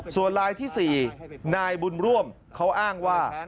ส่วนลายที่๔นายบุญร่วมเขาอ้างว่า